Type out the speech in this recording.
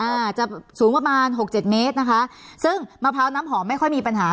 อาจจะสูงประมาณหกเจ็ดเมตรนะคะซึ่งมะพร้าวน้ำหอมไม่ค่อยมีปัญหา